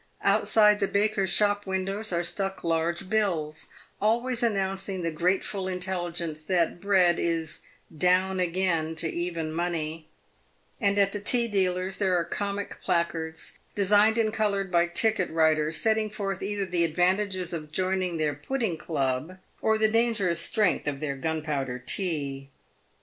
Outside the bakers' shop windows are stuck large bills, always announcing the grateful intelligence that bread is " Down Again to Even Monet;" and at the tea dealers' there are comic placards, designed and coloured by ticket writers, setting forth either the advantages of joining their "pudding club," or the dangerous strength of their " gunpowder tea."